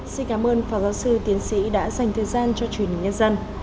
xin cảm ơn phó giáo sư tiến sĩ đã dành thời gian cho truyền hình nhân dân